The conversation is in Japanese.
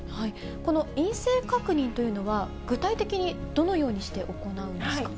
この陰性確認というのは、具体的にどのようにして行うんですか？